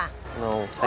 không mua à